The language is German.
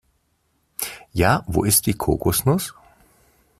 Ja, wo ist die Kokosnuss?